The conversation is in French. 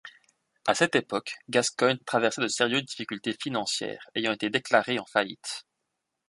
À cette époque, Gascoigne traversait de sérieuses difficultés financières, ayant été déclaré en faillite.